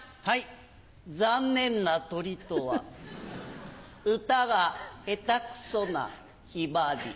残念な鳥とは歌が下手くそなヒバリ。